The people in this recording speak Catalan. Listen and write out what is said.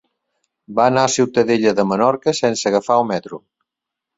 Va anar a Ciutadella de Menorca sense agafar el metro.